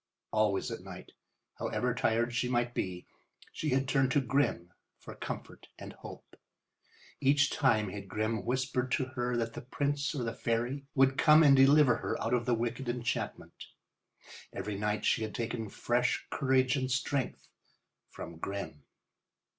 Always at night, however tired she might be, she had turned to Grimm for comfort and hope. Each time had Grimm whispered to her that the prince or the fairy would come and deliver her out of the wicked enchantment. Every night she had taken fresh courage and strength from Grimm.